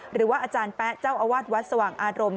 หรือว่าอาจารย์แป๊ะเจ้าอาวาสวัดสว่างอารมณ์